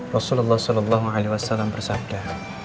rasulullah saw bersabda